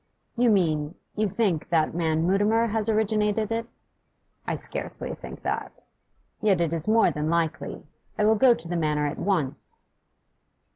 'You mean you think that man Mutimer has originated it?' 'I scarcely think that.' 'Yet it is more than likely. I will go to the Manor at once.